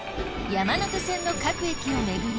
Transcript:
山手線の各駅を巡り